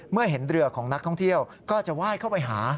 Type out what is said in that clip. เมื่อเห็นเรือของนักท่องเที่ยวก็จะไหว้เข้าไปหา